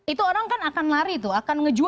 itu orang kan akan lari tuh